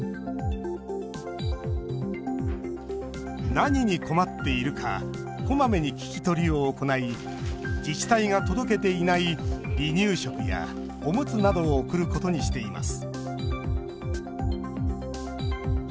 何に困っているかこまめに聞き取りを行い自治体が届けていない離乳食やおむつなどを送ることにしています